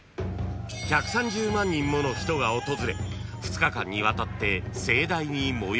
［１３０万人もの人が訪れ２日間にわたって盛大に催される天神祭］